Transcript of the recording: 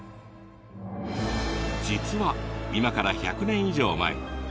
実は今から１００年以上前